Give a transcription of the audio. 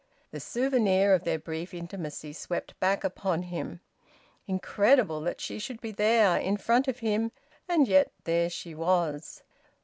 The souvenir of their brief intimacy swept back upon him. Incredible that she should be there, in front of him; and yet there she was!